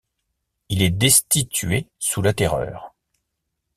Il est destitué sous la Terreur.